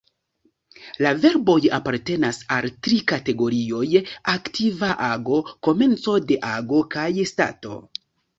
La verboj apartenas al tri kategorioj: aktiva ago, komenco de ago kaj stato.